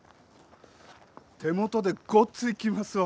手元でごっついきますわ。